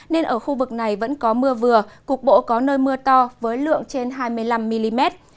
nên ở khu vực này vẫn có mưa vừa cục bộ có nơi mưa to với lượng trên hai mươi năm mm